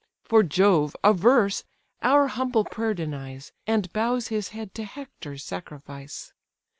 For Jove, averse, our humble prayer denies, And bows his head to Hector's sacrifice.